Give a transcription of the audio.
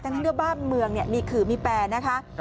ทั้งเพราะบ้านเมืองมีขื่อมีแปลนะคะ